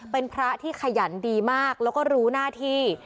เป็นพระที่ขยันดีมากแล้วก็รู้หน้าที่